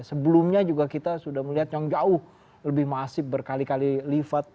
sebelumnya juga kita sudah melihat yang jauh lebih masif berkali kali lipat